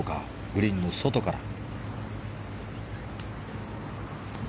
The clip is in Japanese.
グリーンの外から。